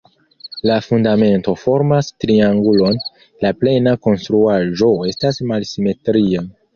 La fundamento formas triangulon, la plena konstruaĵo estas malsimetria.